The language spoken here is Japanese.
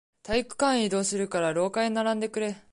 体育館へ移動するから、廊下へ並んでくれ。